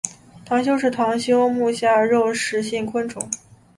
螳䗛是螳䗛目下的肉食性昆虫。